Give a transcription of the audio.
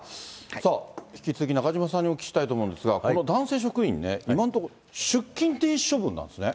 さあ、引き続き中島さんにお聞きしたいと思うんですが、この男性職員ね、今のとこ、出勤停止処分なんですね。